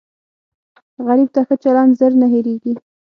غریب ته ښه چلند زر نه هېریږي